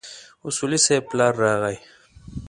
اصولي صیب پلار راغی.